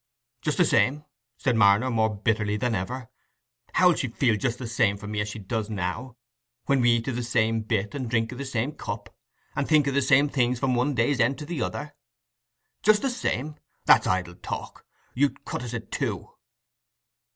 "Just the same?" said Marner, more bitterly than ever. "How'll she feel just the same for me as she does now, when we eat o' the same bit, and drink o' the same cup, and think o' the same things from one day's end to another? Just the same? that's idle talk. You'd cut us i' two."